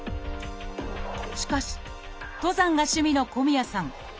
しかし登山が趣味の小宮さん。